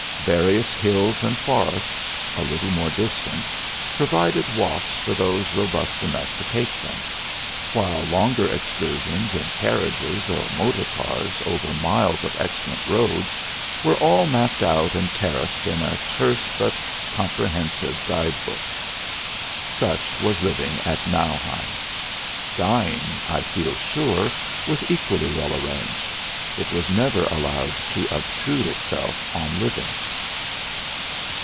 Various hills and forests, a little more distant, provided walks for those robust enough to take them, while longer excursions in carriages or motor cars over miles of excellent roads were all mapped out and tariffed in a terse but comprehensive guidebook. Such was living at Nauheim. Dying, I feel sure, was equally well arranged; it was never allowed to obtrude itself on living.